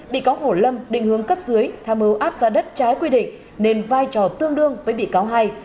bị cáo hổ lâm định hướng cấp dưới tham mưu áp giá đất trái quy định nên vai trò tương đương với bị cáo hai